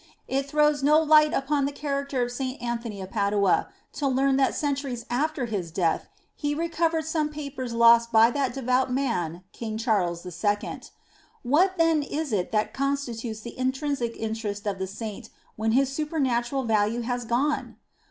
It throws no light upon the character of St. Anthony of Padua to learn that centuries after his death he recovered some papers lost by that devout man King Charles II. What then is it that constitutes the intrinsic interest of the Saint when his supernatural value has gone